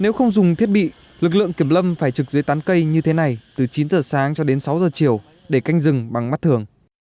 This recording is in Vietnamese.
nếu không dùng thiết bị lực lượng kiểm lâm phải trực dưới tán cây như thế này từ chín giờ sáng cho đến sáu giờ chiều để canh rừng bằng mắt thường